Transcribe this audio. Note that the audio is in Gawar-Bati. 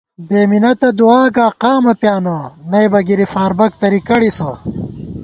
بےمِنَتہ دُعا گا قامہ پیانہ نئیبہ گِری فاربَک تری کڑِسہ